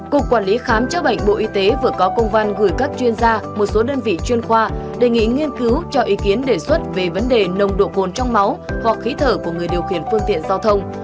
cục quản lý khám chữa bệnh bộ y tế vừa có công văn gửi các chuyên gia một số đơn vị chuyên khoa đề nghị nghiên cứu cho ý kiến đề xuất về vấn đề nồng độ cồn trong máu hoặc khí thở của người điều khiển phương tiện giao thông